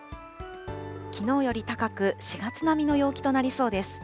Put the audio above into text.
きのうより高く、４月並みの陽気となりそうです。